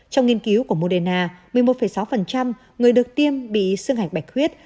trong nghiên cứu của moderna một mươi một sáu người được tiêm bị sương hạch bạch huyết